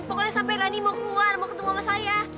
pokoknya sampai rani mau keluar mau ketemu sama saya